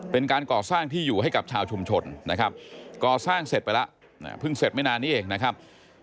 เป็นการก่อสร้างที่อยู่ให้กับชาวชุมชนนะครับก่อสร้างเสร็จไปแล้วเพิ่งเสร็จไม่นานนี้เองนะครับ